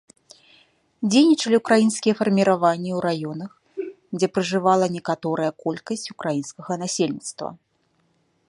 Дзейнічалі ўкраінскія фарміраванні ў раёнах, дзе пражывала некаторыя колькасць украінскага насельніцтва.